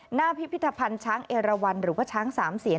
พิพิธภัณฑ์ช้างเอราวันหรือว่าช้างสามเสียน